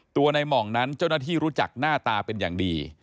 ในหม่องนั้นเจ้าหน้าที่รู้จักหน้าตาเป็นอย่างดี